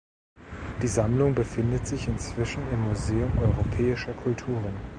Die Sammlung befindet sich inzwischen im Museum Europäischer Kulturen.